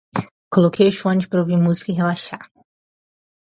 Coloquei os phones para ouvir música e relaxar.